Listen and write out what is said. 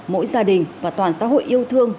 mỗi gia đình và toàn xã hội yêu thương